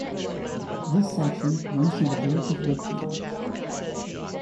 This section runs through the village of Wakefield.